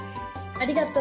ありがとう。